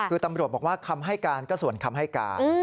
คือตำรวจบอกว่าคำให้การก็ส่วนคำให้การ